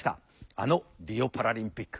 あのリオパラリンピック。